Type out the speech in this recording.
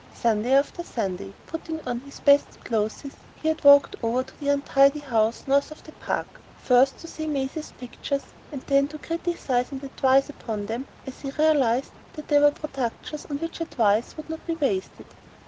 Sunday after Sunday, putting on his best clothes, he had walked over to the untidy house north of the Park, first to see Maisie's pictures, and then to criticise and advise upon them as he realised that they were productions on which advice would not be wasted.